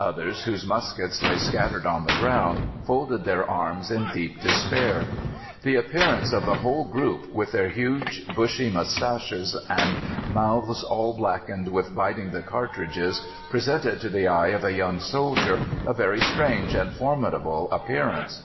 Others, whose muskets lay scattered on the ground, folded their arms in deep despair. The appearance of the whole group, with their huge, bushy moustaches and mouths all blackened with biting the cartridges, presented to the eye of a young soldier a very strange and formidable appearance.